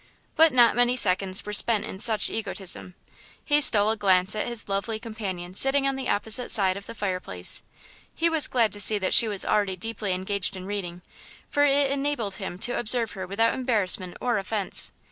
But not many second were spent in such egotism. He stole a glance at his lovely companion sitting on the opposite side of the fireplace–he was glad to see that she was already deeply engaged in reading, for it enabled him to observe her without embarrassment or offense.